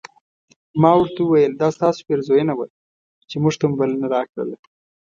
ما ورته وویل دا ستاسو پیرزوینه وه چې موږ ته مو بلنه راکړله.